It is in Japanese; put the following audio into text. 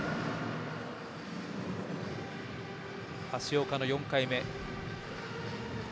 橋岡の４回目です。